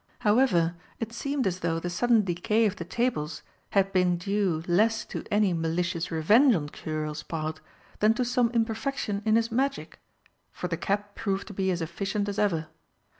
However, it seemed as though the sudden decay of the tables had been due less to any malicious revenge on Xuriel's part than to some imperfection in his magic for the cap proved to be as efficient as ever.